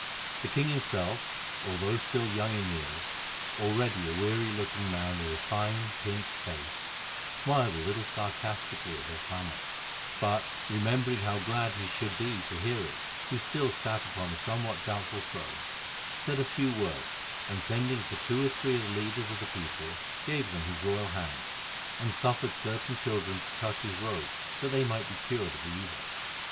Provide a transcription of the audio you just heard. The king himself, although he was still young in years, already a weary looking man with a fine, pinched face, smiled a little sarcastically at their clamour; but, remembering how glad he should be to hear it who still sat upon a somewhat doubtful throne, said a few soft words, and sending for two or three of the leaders of the people, gave them his royal hand, and suffered certain children to touch his robe that they might be cured of the Evil.